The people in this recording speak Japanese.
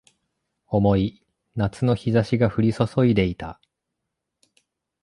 重い夏の日差しが降り注いでいた